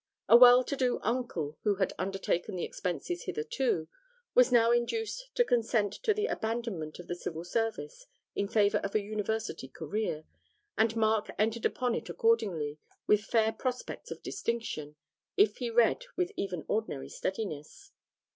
A well to do uncle, who had undertaken the expenses hitherto, was now induced to consent to the abandonment of the Civil Service in favour of a University career, and Mark entered upon it accordingly with fair prospects of distinction, if he read with even ordinary steadiness.